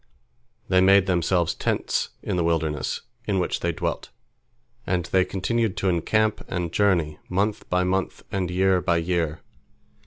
They made themselves tents in the wilderness in which they dwelt, and they continued to encamp and journey, month by month and year by year.